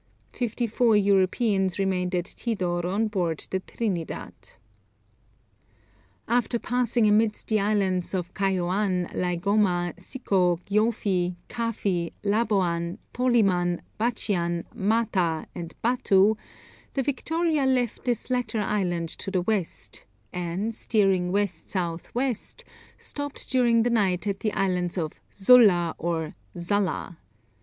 Fifty four Europeans remained at Tidor on board the Trinidad. After passing amidst the islands of Caioan, Laigoma, Sico, Giofi, Cafi, Laboan, Toliman, Batchian, Mata, and Batu, the Victoria left this latter island to the west, and steering west south west, stopped during the night at the island of Xulla or Zulla.